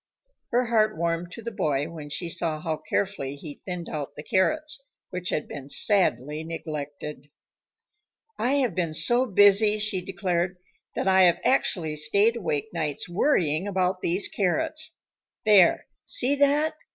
Her heart warmed to the boy when she saw how carefully he thinned out the carrots, which had been sadly neglected. "I have been so busy," she declared, "that I have actually stayed awake nights worrying about these carrots. There see that?"